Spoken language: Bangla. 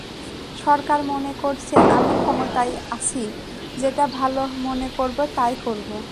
সরকার মনে করছে, আমি ক্ষমতায় আছি, যেটা ভালো মনে করব তাই করব।